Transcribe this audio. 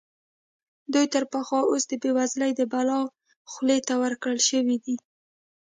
دوی تر پخوا اوس د بېوزلۍ د بلا خولې ته ورکړل شوي دي.